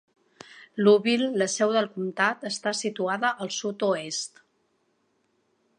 Louisville, la seu del comtat, està situada al sud-oest.